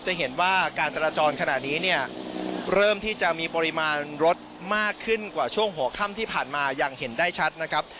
จะเห็นว่าการจราจรขณะนี้เนี่ยเริ่มที่จะมีปริมาณรถมากขึ้นกว่าช่วงหัวค่ำที่ผ่านมาอย่างเห็นได้ชัดนะครับ